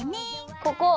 ここ。